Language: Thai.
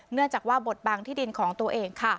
เนื่องจากว่าบทบังที่ดินของตัวเอง